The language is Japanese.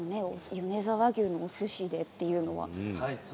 米沢牛のおすしでというのは。